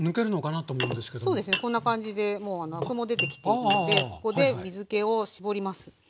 こんな感じでもうアクも出てきているのでここで水けを絞ります。